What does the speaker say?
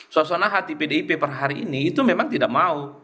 suasana hati pdip per hari ini itu memang tidak mau